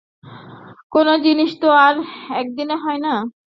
কোন জিনিষ তো আর একদিনে হয় না।